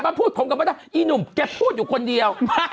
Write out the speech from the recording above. อย่ามาพูดผมกับพ่อดำอีหนุ่มแกพูดอยู่คนเดียว